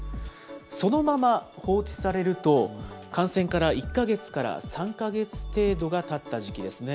そのまま放置されると、感染から１か月から３か月程度がたった時期ですね。